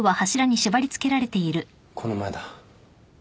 この前だ。